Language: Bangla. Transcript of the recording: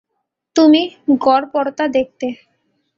তুমি গড়পড়তা দেখতে।